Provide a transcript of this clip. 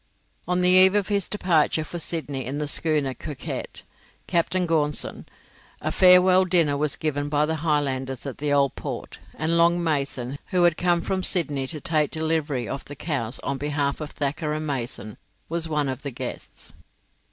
On the eve of his departure for Sydney in the schooner 'Coquette' (Captain Gaunson), a farewell dinner was given by the Highlanders at the Old Port, and Long Mason, who had come from Sydney to take delivery of the cows on behalf of Thacker and Mason, was one of the guests.